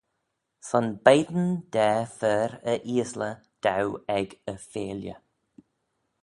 Son beign da fer y eaysley daue ec y feailley.